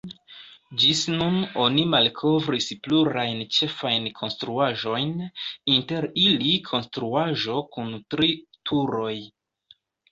Ĝis nun oni malkovris plurajn ĉefajn konstruaĵojn, inter ili konstruaĵo kun tri turoj.